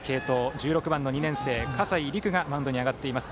１６番の２年生、葛西陸がマウンドに上がっています。